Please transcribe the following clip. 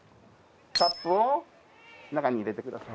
カップを中に入れてください。